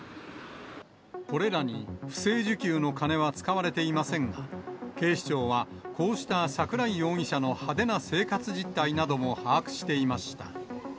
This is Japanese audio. これらに不正受給の金は使われていませんが、警視庁は、こうした桜井容疑者の派手な生活実態なども把握していました。